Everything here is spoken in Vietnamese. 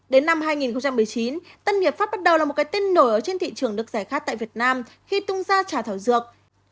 đến năm hai nghìn một mươi chín tân hiệp pháp bắt đầu là một cái tên nổi trên thị trường nước giải khát tại việt nam khi tung ra trà thảo dược